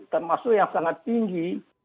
termasuk yang sangat tinggi